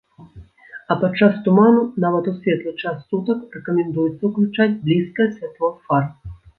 А падчас туману нават у светлы час сутак рэкамендуецца ўключаць блізкае святло фар.